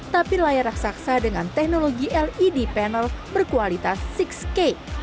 tapi layar raksasa dengan teknologi led panel berkualitas enam k